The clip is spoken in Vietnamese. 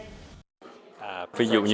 ví dụ như so với những nước lớn khác